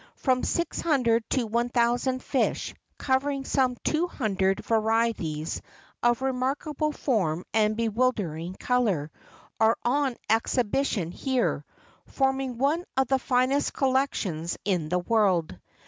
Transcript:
From 600 to 1,000 fish, covering some 200 va¬ rieties of remarkable form and bewildering color, are on ex¬ hibition here, forming one of the finest collections in the world.